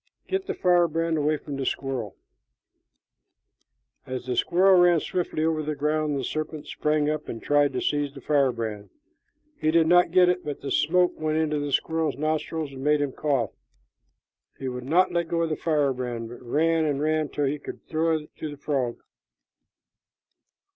Get the firebrand away from the squirrel." As the squirrel ran swiftly over the ground, the serpent sprang up and tried to seize the firebrand. He did not get it, but the smoke went into the squirrel's nostrils and made him cough. He would not let go of the firebrand, but ran and ran till he could throw it to the frog.